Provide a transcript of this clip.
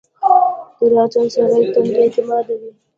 • دروغجن سړی تل بې اعتماده وي.